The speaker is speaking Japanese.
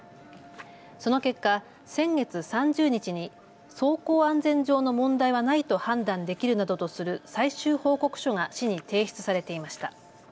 その結果、先月３０日に走行安全上の問題はないと判断できるなどとする最終報告書が市に提出されていました。